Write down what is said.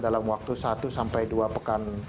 dalam waktu satu sampai dua pekan